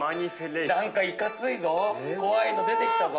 何かいかついぞ怖いの出てきたぞ！